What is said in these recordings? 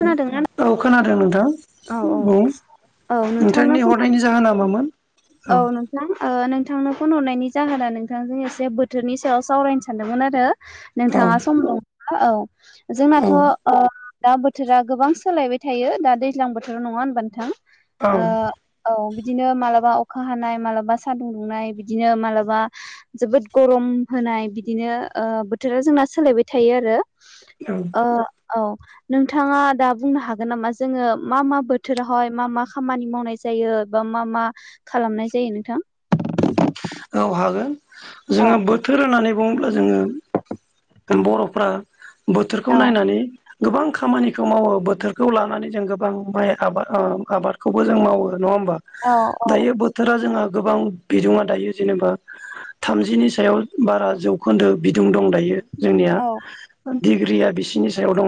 खोनादोंना औ खोनादों नोंथां औ औ नोंथांनो नोंथांनि फन हरनायनि जाहोना मामोन औ नोंथां‌ ओ नोंथां नोंथांनो फन हरनायनि जाहोना नोंथांजों एसे बोथोरनि सायाव सावरायनो सानदोंमोन आरो औ नोंथाङा सम दंङ औ जोंनाथ औ ओ दा बोथोर बोथोरा गोबां सोलायबाय थायो दा दैज्लां बोथोर नङा होनबा नोंथां औ ओ औ बिदिनो मालाबा अखा हानाय मालाबा सानदुं दुंनाय बिदिनो मालाबा जोबोद गरम होनाय बिदिनो ओ बोथोरा जोंना सोलायबाय थायो आरो औ ओ औ नों नोंथाङा दा बुंनो हागोन नामा जोङो मा मा बोथोरावहाय मा मा खामानि मावनाय जायो बा मा मा मा खालामनाय जायो नोंथां औ हागोन औ जोङो बोथोर होननानै बुङोब्ला जोङो बरफ्रा बोथोरखौ औ नायनानै गोबां खामानिखौ मावो बोथोरखौ लानानै जों गोबां माय आबाद आबादखौबो जों मावो नङा होमबा औ औ दायो बोथोरा जोंहा गोबां बिदुङा दायो जेनेबा थामजिनि सायाव बारा जौखोन्दो बिदुं दं दायो जोंनिया औ डिग्रिया बिसिनि सायाव दङ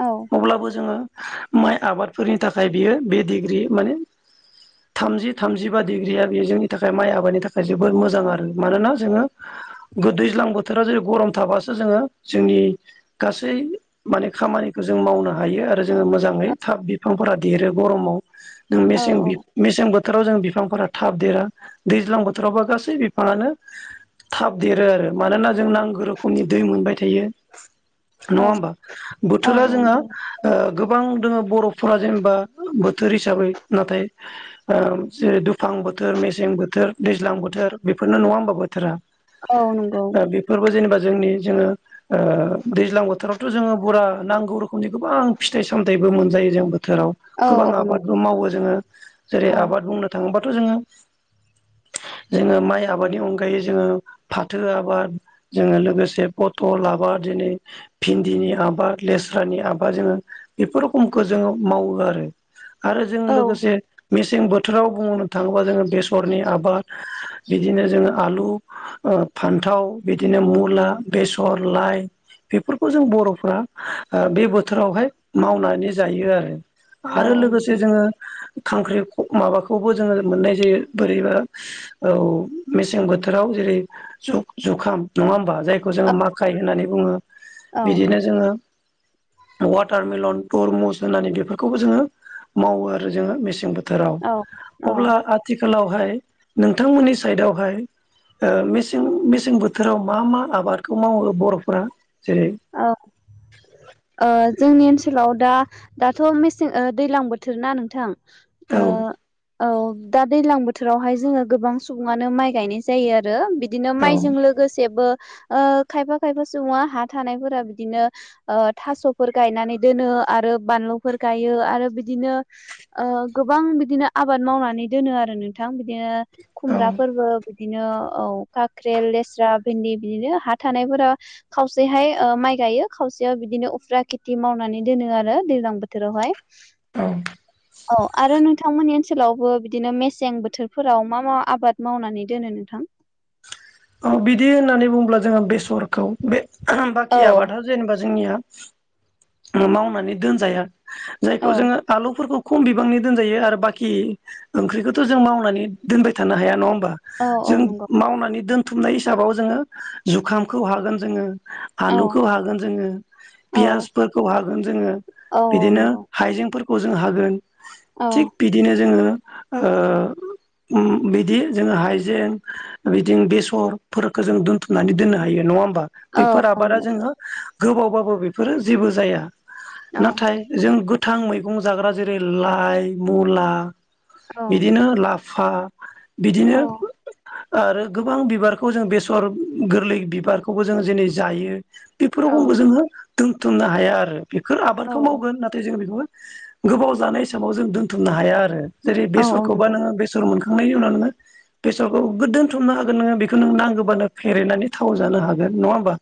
औ अब्लाबो जोङो माइ आबादफोरनि थाखाय बियो बे डिग्रि माने थामजि थामजिबा डिग्रिया बेयो जोंनि थाखाय माइ आबादनि थाखाय जोबोद मोजां आरो मानोना जोङो गोद दैज्लां बोथोरााव जुदि गरम थाबासो जोङो जोंनि गासै माने खामानिखौ जों मावनो हायो आरो जोङो मोजाङै थाब बिफांफोरा देरो गरमाव जों औ मेसें मेसें बोथोराव जों बिफांफोरा थाब देरा दैज्लां बोथोरावबा गासै बिफाङानो थाब देरो आरो मानोना जों नांगौ रोखोमनि दै मोनबाय थायो नङा होमबा औ औ बोथोरा जोंहा गोबां ओ दोङो बर'फोरा जेनेबा बोथोर हिसाबै नाथाय ओ जे दुफां बोथोर मेस बो सें बोथोर दैज्लां बोथोर बेफोरनो नङा होनबा बोथोरा औ नंगौ ओ बेफोरबो जेनेबा जोंनि जोङो ओ दैज्लां बोथोरावथ' जोङो बुरा नांगौ रोखोमनि गोबां फिथाइ सामथाइ मोनजायो जोंबो बोथोराव औ नंगौ औ गोबां औ नंगौ आबादबो मावो जोङो जेरै औ आबाद बुंनो थाङोबाथ' जोङो [unintelligible] जोङो माइ आबादनि अनगायै जोङो फाथो आबाद जोङो लोगोसे पथल आबाद बादिनो भिन्दिनि आबाद लेस्रानि आबाद जोङो बेफोर रखमखौ जोङो मावो आ रो आरो जों औ लोगोसे मेसें बोथोराव बुंनो थाङोबा जोंङो बेस सरनि आबाद बिदिनो जोङो आलु ओ फान्थाव बिदिनो मुला बेसर लाय बेफोरखौ जों बर'फ्रा ओ बे बोथोरावहाय मावनानै जायो आरो आरो औ लोगोसे नंगौ जोङो खांख्रि माबाखौबो जोङो मोननाय जायो बोरैबा औ मेसें बोथोराव जेरै जु जुखाम नङा होमबा जायखौ जोङो माखाइ होननानै बुङो औ बिदिनो जोङो वाटारमेलन थरमुस होनानै बेफोरखौबो जोङो मावो आरो जोङो मेसें बो थोराव औ औ अब्ला आथिखालावहाय नोंथांमोननि साइडआवहाय ओ मेसें-मेसें बोथोराव मा-मा आबादखौ मावो बर'फोरा जेरै औ ओ जोंनि ओनसो सोलाव, दा दाथ' मेसें ओ दैज्लां बोथोर ना नोंथां औ ओ औ दा दैज्लां बोथोरावहाय जोङो गोबां सुबुङानो माइ गायनाय जायो आरो बि दिनो औ माइजों लोगोसेबो ओ खायफा खायफा सुबुङा हा थानायफोरा बिदिनो ओ थास'फोर गायनानै दोनो आरो बानलुफोर गायो आरो बि दिनो ओ गोबां बिदिनो आबाद मावनानै दोनो आरो नोंथां। बिदिनो औ खुमब्राफोरबो बिदिनो औ काख्रेल, लेस्रा, भिन्दि बिदिनो हा थानायफोरा खावसे हाय ओ माइ गायो खावसेयाव बिदिनो उफ्रा खेथि मावनानै दोनो आरो दैज्लां बोथोरावहाय। औ अह आरो नों थांमोननि ओनसोलावबो बिदिनो मेसें बोथोरफोराव मा मा आबाद मावनानै दोनो नोंथां? [inaudible] ओ बिदि होननानै बुङोब्ला जोंहा बेसरखौ, बे औ बाखि आबादा जेनेबा जोंनिया ओ मावनानै दोनजाया औ जायखौ जोङो आलु फोरखौ खम बिबांनि दोनजायो आरो बाखि ओंख्रिखौथ' जों मावनानै दोनबाय थानो हाया नङा होम बा? औ औ जों नंगौ मावनानै दोनथुमनाय हिसाबाव जोङो जुखामखौ हागोन जोङो औ आलुखौ हागोन जोङो, औ पियासफोरखौ हागोन जोङो औ औ बिदिनो नंगौ हाइजेंफोरखौ जों हागोन, औ थिग बिदिनो जोङो ओ उम बिदि जोङो हाइजें बिदिनो बे सर फोरखौ जों दोनथुमनानै दोननो हायो नङा होमबा औ बेफोर औ आबादा नंगौ जोङो गोबावबाबो बेफोरो जेबो जाया। औ नाथाय जों गो थां मैगं जाग्रा जेरै लाइ मुला बिदिनो ला फा बिदिनो आरो गोबां बि बारखौ जों बेसर गोरलै बिबारखौबो जोङो जेनै जायो औ बेफोरावबो जोङो दोनथुमनो हाया आरो बेफोर औ आबादखौ मावगोन नाथाय जों बेखौबो गोबाव जानाय हिसाबाव जों दोन्थुमनो हाया आरो जेरै औ बेसरखौबा नंगौ नोङो बेसर मोन खांनायनि उनाव नोङो बेसरखौ गो दोनथुमनो हागोन नोङो बे खौ नों नांगौबानो फेरेदनानै थाव जानो हागोन नङा होमबा?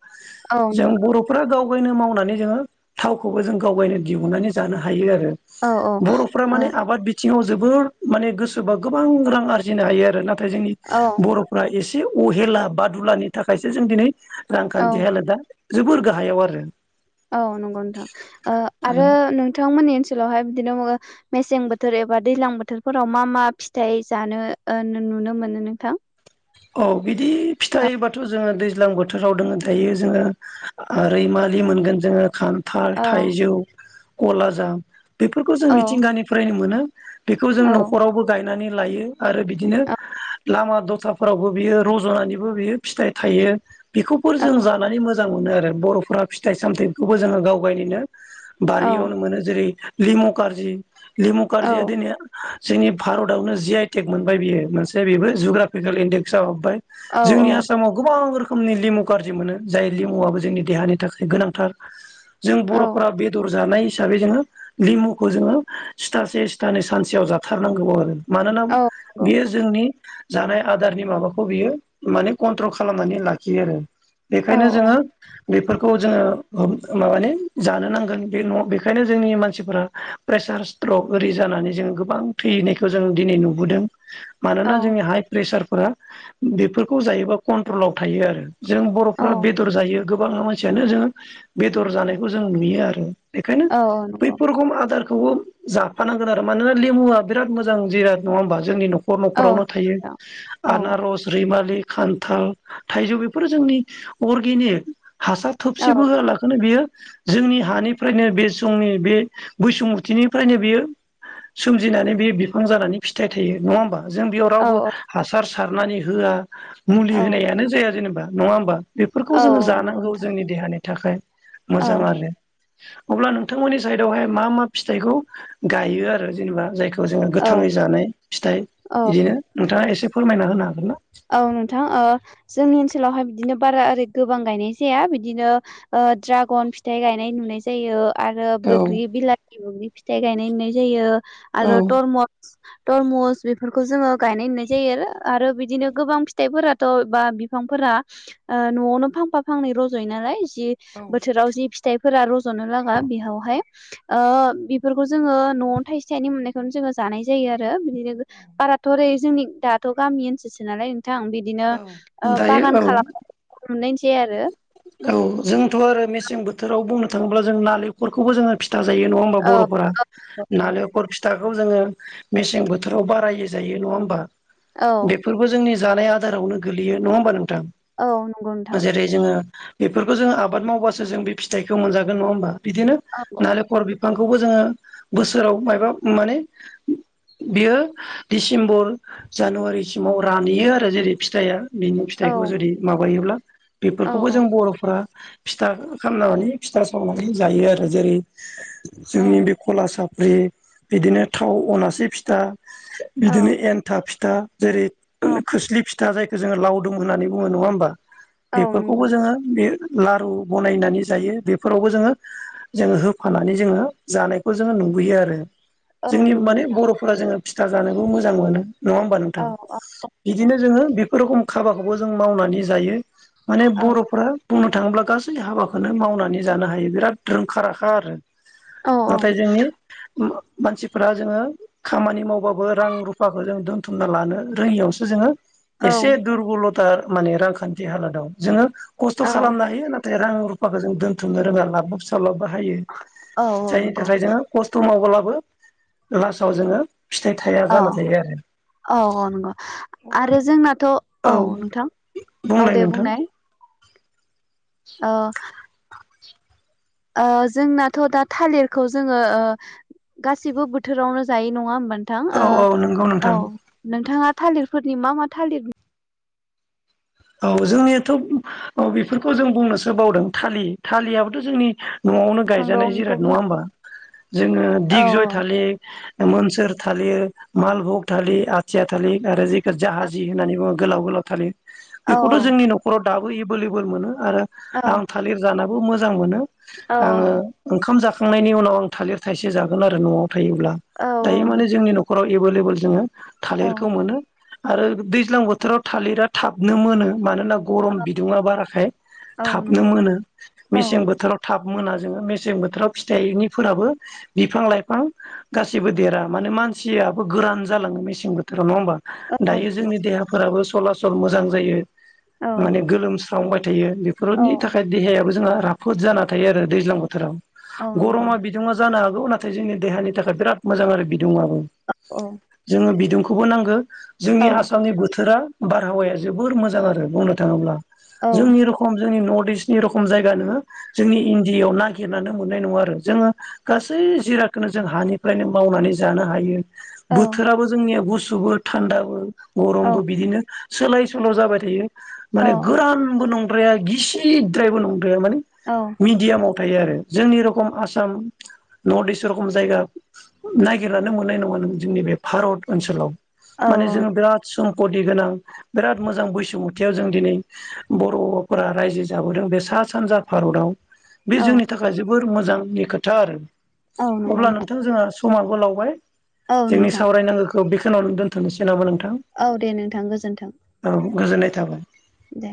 औ जों नंगौ बर'फ्रा गाव गावनो मावनानै जोङो थावखौबो जों गाव गावनो दिहुननानै जानो हायो आरो। औ औ बर'फोरा माने आबाद बिथिं ङाव जोबोर माने गोसोबा गोबां रां आरजिनो हायो आरो। नाथाय जोंनि ओ बर'फ्रा एसे अहेला बादुलानि थाखायसो जों दिनै औ रांखान्थि हालोदा जोबोर गाहायाव आरो। औ नंगौ नोंथां ओ आरो नोंथांमोननि ओनसोलावहाय बिदिनो मेसें बोथोर एबा दैज्लां बोथोरफोराव मा मा फिथाइ जानो ओ नों नुनो मोनो नोंथां? औ बिदि औ फिथायबाथ' जोङो दैज्लां बोथोराव दङ दायो जोङो ओ रैमा लि मोनगोन जोङो खान्थाल, औ थाइजौ, कलाजाम बेफोरखौ औ जों मिथिंगानिफ्रायनो मोनो। बेखौ जों औ न'खरावबो गायनानै लायो आरो बिदिनो लामा दथा फोरावबो बियो रज'नानैबो बियो फिथाइ थायो बेखौफोर औ जों जानानै मोजां मोनो आरो। बर'फोरा फिथाइ सामथायखौबो जोङो गाव गावनिनो औ बारियावनो मोनो जेरै लिमु कारजि लिमु औ कार्जिया दिनै जोंनि भारतआवनो जि आइ टेक मोनबाय बियो मोनसे बेबो जुग्राफिकेल इनडेक्सआव हाबबाय। जोंनि आसामाव गोबां रो खोमनि लिमु कारजि मोनो जाय लिमुआबो जोंनि देहानि थाखाय गोनांथार। जों औ औ बर'फोरा बेदर जानाय हिसाबै जोङो लिमुखौ जोङो सिथासे सिथानै सानसेयाव जाथारनांगौ आरो। मानोना औ नंगौ बेयो जोंनि जानाय आदारनि माबाखौ बियो माने कन्ट्रल खालामनानै लाखियो आरो, औ बेखायनो जोङो बेफोरखौ जोङो माबानि जानो नांगोन बे न बेखायनो जोंनि मानसिफोराेस प्रे सार स्ट्रक ओरै जानानै जोङो गोबां थैनायखौ जों दिनै नुबोदों। औ मानोना जोंनि हाइ प्रेसारफोरा बेफोरखौ जायोबा कन्ट्रलाव थायो आरो। जों औ बर'फ्रा बेदर जायो गोबां मानसियानो जों बेदर जानायखौ जों नुयो आरो। बेखायनो औ नंगौ बैफोर रोखम आदार खौबो जाफानांगोन आरो मानोना लेमुआ बिराद मोजां जिराद नङा होमबा जोंनि न'ख नख औ न'खरावनो थायो औ आनारस रि मालि खान्थाल थाइजौ बेफोरो जोंनि अर्गेनिक हासार औ थोबसिबो होआलाखानो बियो जोंनि हानिफ्रायनो बे समनि बे बैसुमुथिनिफ्रायनो बेयो सोमजिनानै बे बिफां जानानै फिथाइ थायो नङा होमबा? जों बेयाव औ रावबो हासार सारनानै होआ मुलि औ होनायानो जाया जेनेबा नङा होमबा? बेफोरखौ औ जोङो नंगौ जानांगौ नोंथां जोंनि देहानि थाखाय मोजां आरो। अब्ला नोंथांमोननि साइदआवहाय मा मा फिथाइखौ गायो आरो जेनेबा जायखौ बेखौ जोङो औ गोथाङै जानाय फिथाइ औ बिदिनो नोंथाङा एसे फोरमायना होनो हागोन ना? औ नोंथां ओ जोंनि ओनसोलावहाय बिदिनो बारा ओरै गोबां गायनाय जाया बिदिनो ओ ड्रागन फिथाइ गायनाय नुनाय जायो‌। आरो औ बैग्रि बिलासि फिथाइ गायनाय होननाय जायो औ आरो तरमस तरमस बेफोरखौ जोङो गायनाय नुनाय जायो आरो बिदिनो गोबां फिथाइफोराथ' बा बिफांफोरा ओ न'आवनो फांफा फांनै रज'यो नालाय। जि औ बोथोराव जि फिथाय फोरा रज'नो लागा बेयावहाय ओ बेफोरखौ जोङो न'आवनो थाइसे थाइनै मोननायखौनो जोङो जा नाय जायो आरो बिदिनो बाराथ' ओरै जोंनि दाथ' गामि ओनसोलसो नालाय। नोंथां बिदिनो औ ओ दायो बागान औ खालामनाय मोननायनोसै आरो। औ जोंथ' आरो मेसें बोथोराव बुंनो। थाङोब्ला जों नालेंखरखौबो जोङो फिथा जायो नङा होमबा बर'फोरा आरो नालेंखर फिथा खौ जोङो मेसें बोथोराव बारायै जायो नङा होमबा? औ बेफोरबो जोंनि जानाया आदारावनो गोलैयो नङा होनबा नोंथां? औ नंगौ नोंथां जेरै जोङो बेफ फोरखौ जों आबाद मावबासो जों बे फिथाइखौ मोनजागोन, नङा होमबा? बिदिनो औ नालेंखर‌ बिफां बेखौबो जोङो बोसोराव माबा माने बियो डिसेम्बर जानुवारिसिमाव रानहैयो आरो जेरै फिथाइआ बिनि औ फिथाइखौ जुदि माबायोब्ला औ बेफोरखौबो जों बर'फोरा फिथा खालामनानै फिथा सावनानै जायो आरो जेरै औ जोंनि बे कलासा बिदिनो थाव अनासे फिथा औ बिदिनो एन्थाब फिथा जेरै खोस्लि फिथा जायखौ जोङो लावदुम होन्नानै बुङो, नङा होमबा? औ बेफोरखौबो नंगौ जोङो बे लारु बनायनानै जायो बेफोरावबो जोङो जोङो होफानानै जोङो जानायखौ जोङो नु बैयो आरो औ जोंनि नंगौ माने नोंथां बर'फोरा जोङो फिथा जानोबो मोजां मोनो। नङा होमबा औ नोंथां? औ नंगौ बिदिनो जोङो बेफोर रोखोम खाबाखौबो जों मावनानै जायो। माने औ बर'फ्रा बुंनो थाङोब्ला गासै हाबाखौनो मावनानै जानो हायो बिराद रोंखा राखा आरो। औ नाथाय जोंनि मानसिफोरा जोङो खामानि मावबाबो रां रुफाखौ जों दोनथुमना लानो रोङियावसो जोङो औ एसे दुरबलथा माने रांखान्थि हालोदाव जोङो खस्थ' औ खालामनो हायो नाथाय रां रु फाखौ जों दोनथुमनो रोङा लालाब सालाब बाहायो फिसा लाबो हायो औ औ जायनि नंगौ थाखाय जोङो खस्थ' माव ब्लाबो लासआव जोङो फिथाइ थाया औ जाना थायो आरो औ नंगौ अब्ला आरो जों- जोंनाथ' नोंथां औ नोंथां औ बुंलाय दे नोंथां बुंनाय। अ जोंनाथ' दा थालिरखौ जोङो ओ गासिबो बोथोरावनो जायै नङा होमबा नोंथां? औ औ नंगौ नोंथां औ नोंथाङा थालिरफोरनि मा मा थालिर औ जोंनियाथ' औ बेफोरखौ जों बुंनोसो बावदों थालिर थालिरयाबोथ' जोंनि न'आवनो बिफां गायजानाय दं बेखौ जिराद बुं नङा होमबा जोङो औ दिग जय थालिर मोनसोर थालिर, मालभग थालिर, आथिया थालिर आरो जेखौ जाहाजि होननानै बुङो गोलाव -गोलाव थालिर औ बेखौथ' जोंनि न'खराव दाबो एभेलेबोल मोनो। आरो आं थालिर जानाबो मोजां मोनो औ आङो ओंखाम [unintelligible] [unintelligible] उनाव आं थालिर थाइसे जागोन आरो न'आव थायोब्ला औ दायो माने जोंनि न'खराव एभेलेबोेल जोङो औ थालिरखौ मोनो आरो दैज्लां बोथोराव थालिरा थाबनो मोनो मानो होनना [unintelligible] गरम बिदुङा बाराखाय औ थाबनो नंगौ मोनो औ मेसें बोथोराव थाब मोना जोङो मेसें बोथोराव फिथाइनिफोराबो बिफां लाइफां गासिबो देरा मानो मा [unintelligible] गोरान जालाङो मेसें बोथोराव नंङा होमबा? औ औ दायो नंगौ जोंनि देहाफोराबो सलासल मोजां जायो औ माने गोलोमस्रावबाय थायो औ औ बेफोरनि थाखाय औ देहायाबो जोंहा राफोद जाना थायो आरो दैज्लां बोथोराव। नंगौ गरमा नोंथां बिदुंङा जानो हागौ नाथाय जोंनि देहानि थाखाय बिराद मोजां आरो बि दुंङाबो औ जोङो बिदुंखौबो नांगौ जोंनि आसामनि बोथोरा बारहावाया जोबोर मोजां आरो बुंनो थाङोब्ला औ जोंनि रखम जोंनि नर्थ इसनि रखम जायगा नोङ जोंनि इण्डिआव नागिरनानै मोननाय नङा आरो जोङो गासै जिरा बेनो जों हानिफ्रायनो मावनानै जानो हायो। औ बोथोराबो जोंनिया गुसुबो थान्दाबो गरमबो बिदिनो सोलाय सल' जाबाय थायो औ माने गोरानबो नंद्राया गिसिद्रायबो [unintelligible] [unintelligible] माने औ मिडियामाव थायो आरो जोंनि रखम आसाम नर्थ इस्ट रखम जायगा नायगिरनानो मोननाय नङा नों जोंनि बे भारत ओनसोलाव माने जों औ बिराद सम्पति गोनां। बिराद मोजां बैसुमुतियाव जों दिनै बर'फोरा रायजो जाबोदों बे सा -सानजा भारताव बे औ जोंनि थाखाय जोबोर मोजांनि खोथा आरो औ नंगौ अब्ला नोंथां जोंहा समाबो लावबाय औ जोंनि नोंथां सावरायनांगौखौ बेखिनावनो दोनथ'नोसै [unintelligible] औ दे नोंथां गोजोन्थों। औ गोजोननाय थाबाय। दे।